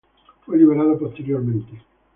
Fue liberado posteriormente.